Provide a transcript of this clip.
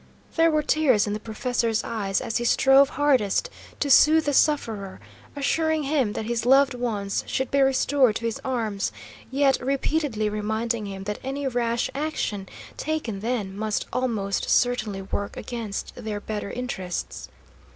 There were tears in the professor's eyes, as he strove hardest to soothe the sufferer, assuring him that his loved ones should be restored to his arms, yet repeatedly reminding him that any rash action taken then must almost certainly work against their better interests.